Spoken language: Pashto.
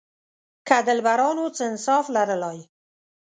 که دلبرانو څه انصاف لرلای.